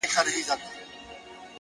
مجرم د غلا خبري پټي ساتي؛